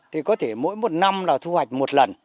thì có thể mỗi một năm là thu hoạch một lần